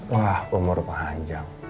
wah umur panjang